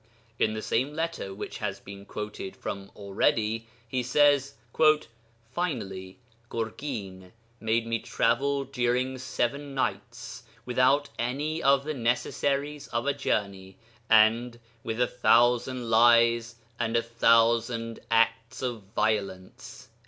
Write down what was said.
In the same letter which has been quoted from already he says: 'Finally, Gurgin made me travel during seven nights without any of the necessaries of a journey, and with a thousand lies and a thousand acts of violence.'